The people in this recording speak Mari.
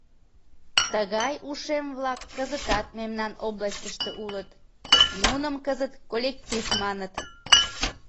Тыгай ушем-влак кызытат мемнан областьыште улыт, нуным кызыт «коллектив» маныт.